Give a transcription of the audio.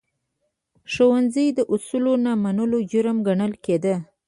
د ښوونځي د اصولو نه منل، جرم ګڼل کېده.